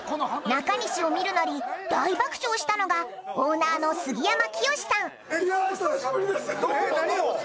中西を見るなり大爆笑したのがオーナーの杉山清さんいや久しぶりです！